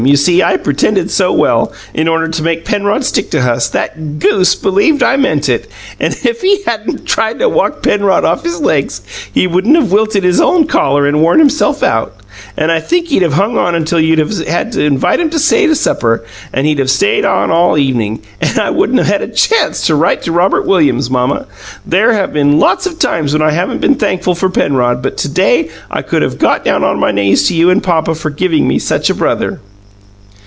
You see, I pretended so well, in order to make Penrod stick to us, that GOOSE believed I meant it! And if he hadn't tried to walk Penrod off his legs, he wouldn't have wilted his own collar and worn himself out, and I think he'd have hung on until you'd have had to invite him to stay to supper, and he'd have stayed on all evening, and I wouldn't have had a chance to write to Robert Williams. Mamma, there have been lots of times when I haven't been thankful for Penrod, but to day I could have got down on my knees to you and papa for giving me such a brother!"